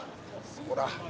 ほら。